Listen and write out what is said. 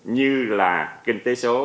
như là kinh tế xã hội